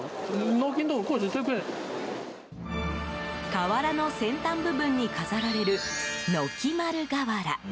瓦の先端部分に飾られる軒丸瓦。